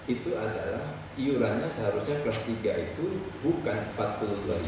itu adalah iurannya seharusnya kelas tiga itu bukan rp empat puluh dua